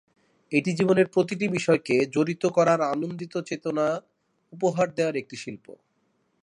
এটি জীবনের প্রতিটি বিষয়কে জড়িত করার আনন্দিত চেতনা উপহার দেওয়ার একটি শিল্প।